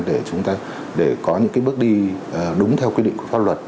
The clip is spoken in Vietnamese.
để chúng ta để có những bước đi đúng theo quy định của pháp luật